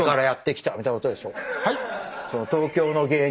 はい？